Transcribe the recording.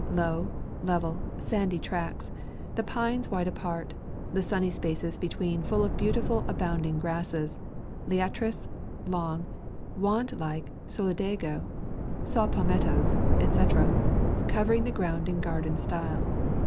Low, level, sandy tracts; the pines wide apart; the sunny spaces between full of beau tiful abounding grasses, liatris, long, wand like solidago, saw palmettos, etc., covering the ground in garden style.